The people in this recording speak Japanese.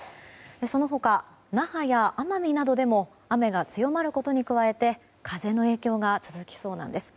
その他、那覇や奄美などでも雨が強まることに加えて風の影響が続きそうなんです。